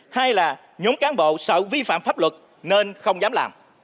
hai là những cán bộ sợ vi phạm pháp luật nên không dám làm